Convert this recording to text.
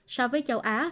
so với châu á